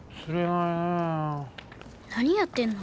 なにやってんの？